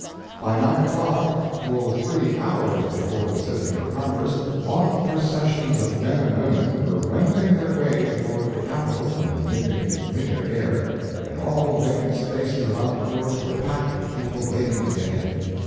By 9 o'clock—full three hours before the sitting of Congress, long processions of men and women were wending their way toward the Capitol in the nipping winter air, and all vacant spaces about the doors were packed with people waiting to get in.